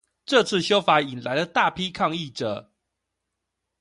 這次修法引來了大批抗議者